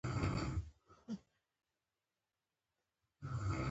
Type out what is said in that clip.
ځمکه د افغان ماشومانو د زده کړې یوه جالبه موضوع ده.